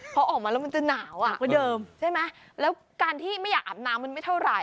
พอออกมาแล้วมันจะหนาวอ่ะกว่าเดิมใช่ไหมแล้วการที่ไม่อยากอาบน้ำมันไม่เท่าไหร่